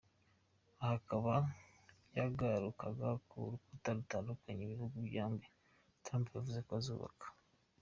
Aha akaba yagarukaga ku rukuta rutandukanya ibihugu byabo Trump yavuze ko azubaka.